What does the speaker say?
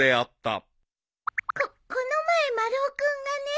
ここの前丸尾君がね